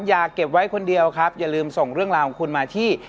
อย่าเก็บไว้คนเดียวครับอย่าลืมส่งเรื่องราวของคุณมาที่